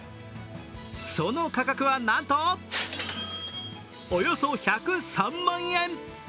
その価格は、なんとおよそ１０３万円。